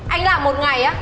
anh làm một ngày á